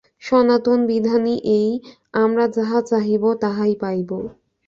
সনাতন বিধানই এই, আমরা যাহা চাহিব তাহাই পাইব।